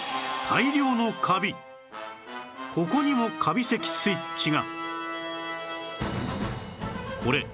ここにもカビ咳スイッチが